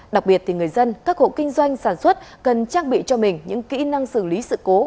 đặc biệt thì người dân các hộ kinh doanh sản xuất cần trang bị cho mình những kỹ năng xử lý sự cố